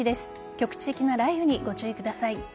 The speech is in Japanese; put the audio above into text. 局地的な雷雨に、ご注意ください。